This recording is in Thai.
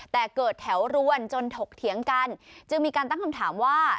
แต่เกิดแถวรวนจนถกเถียงกันจึงมีการตั้งคำถามว่า